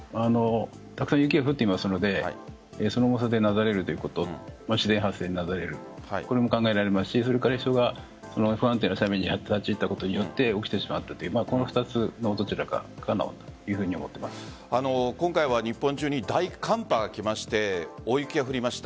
たくさん雪が降っていますのでその重さでなだれるということ自然発生でなだれることも考えられますし不安定な斜面に立ち入ったことによって起きてしまったというこの２つのどちらかだと今回は日本中に大寒波が来まして大雪が降りました。